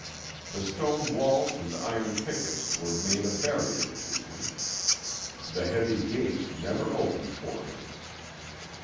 The stone walls and iron pickets were made a barrier to him. The heavy gates never opened for him.